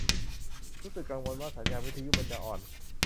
รู้สึกกังวลว่า สัญญาณวิทยุมันจะอ่อน